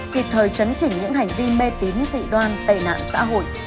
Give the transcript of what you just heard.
kịp thời chấn chỉnh những hành vi mê tín dị đoan tệ nạn xã hội